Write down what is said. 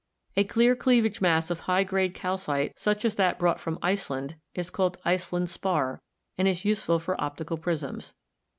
A clear cleavage mass of high grade calcite, such as that brought from Iceland, is called Iceland spar and is useful for optical prisms.